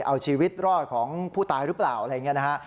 เอาชีวิตลอดของผู้ตายหรือเปล่าอะไรแบบนี้